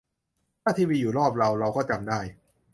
ถ้าทีวีอยู่รอบเรา เราก็จำได้